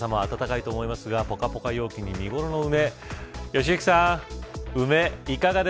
けさも暖かいと思いますがぽかぽか陽気に、見頃の梅